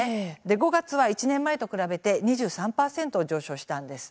５月は１年前と比べて２３％上昇したんです。